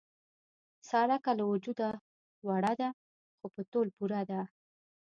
ساره که له وجوده وړه ده، خو په تول پوره ده.